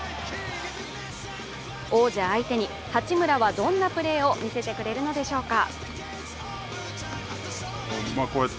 王者相手に八村はどんなプレーをみせてくれるのでしょうか。